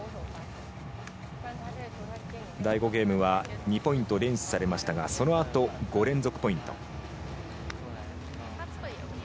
第５ゲームは２ポイント連取されましたがそのあと５連続ポイント。